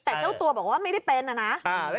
แต่เจ้าตัวบอกว่าไม่ได้เป็นนะ